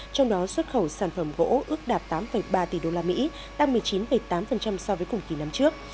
trong đó xuất khẩu sản phẩm gỗ ước đạt tám ba tỷ usd tăng một mươi chín tám so với cùng kỳ năm trước